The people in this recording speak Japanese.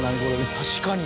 確かに！